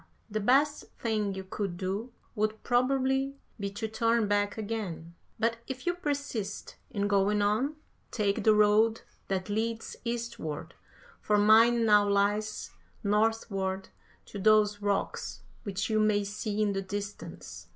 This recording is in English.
The best thing you could do would probably be to turn back again, but if you persist in going on, take the road that leads eastward, for mine now lies northward to those rocks which you may see in the distance.'